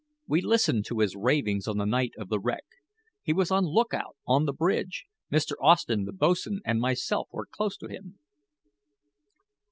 We listened to his ravings on the night of the wreck. He was on lookout on the bridge. Mr. Austen, the boats'n, and myself were close to him."